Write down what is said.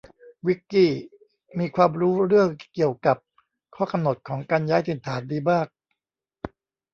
วิคกี้มีความรู้เรื่องเกี่ยวกับข้อกำหนดของการย้ายถิ่นฐานดีมาก